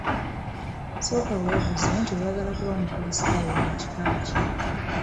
Sooka webuuze nti oyagala kuba mukristayo wa kika ki?